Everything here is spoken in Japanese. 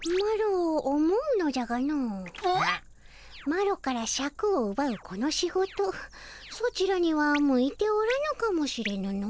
マロからシャクをうばうこの仕事ソチらには向いておらぬかもしれぬの。